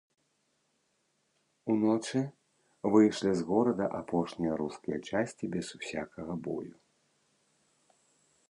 Уночы выйшлі з горада апошнія рускія часці без усякага бою.